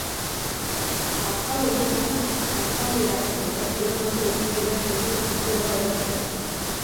Atal honetan azaleratuko da diamante horiek berak eduki dituela orain arte.